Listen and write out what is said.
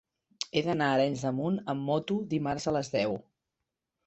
He d'anar a Arenys de Munt amb moto dimarts a les deu.